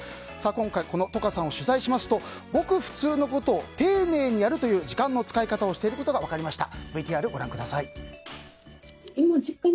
今回ｔｏｋａさんを取材しますとごく普通のことを丁寧にやるという時間の使い方をしていることが分かりました。